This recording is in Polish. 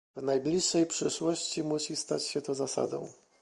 W najbliższej przyszłości musi stać się to zasadą